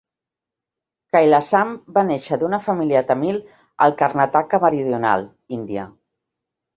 Kailasam va néixer d'una família Tamil al Karnataka meridional, India.